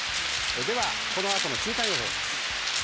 では、この後の週間予報です。